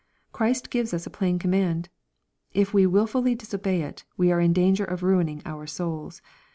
Christ gives us a plain command. If we wilfully disobey it, we are in danger of ruining our souls.